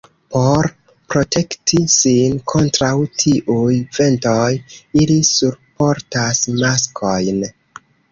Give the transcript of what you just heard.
Por protekti sin kontraŭ tiuj ventoj, ili surportas maskojn.